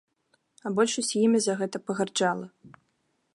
А большасць імі за гэта пагарджала.